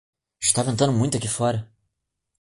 Está ventando muito aqui fora.